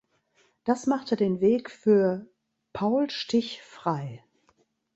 Das machte den Weg für Paul Stich frei.